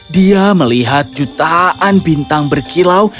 dia melihat jutaan bintang berkilau